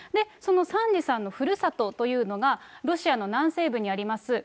そのサンジさんの故郷というのが、ロシアの南西部にあります